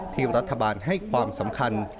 ที่รัฐบาลให้ความสำคัญ